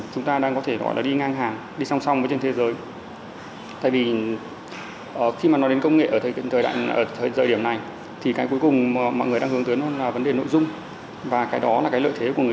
các doanh nghiệp phát triển công nghệ thực tế ảo